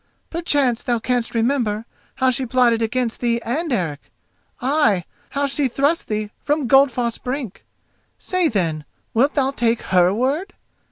Perchance thou canst remember how she plotted against thee and Eric—ay, how she thrust thee from Goldfoss brink. Say, then, wilt thou take her word?